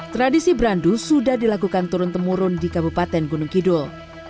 tradisi berandu sudah dilakukan turun temurun di kabupaten gunung kidul